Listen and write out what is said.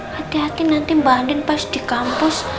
hati hati nanti mbak andin pas di kampus